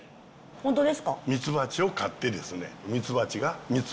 本当ですか！